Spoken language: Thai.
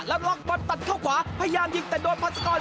แล้วล็อกบอลตัดเข้าขวาพยายามยิงแต่โดนพัศกร